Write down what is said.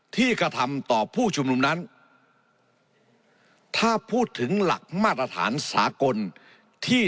กระทำต่อผู้ชุมนุมนั้นถ้าพูดถึงหลักมาตรฐานสากลที่